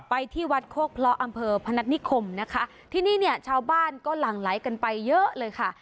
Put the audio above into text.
ที่วัดโคกเลาะอำเภอพนัฐนิคมนะคะที่นี่เนี่ยชาวบ้านก็หลั่งไหลกันไปเยอะเลยค่ะ